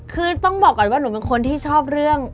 คือต้องบอกก่อนว่าหนูเป็นคนที่ชอบเรื่อง